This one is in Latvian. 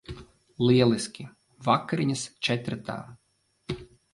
Lieliski. Vakariņas četratā.